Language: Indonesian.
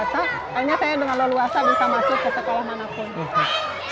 akhirnya saya dengan leluasa bisa masuk ke sekolah manapun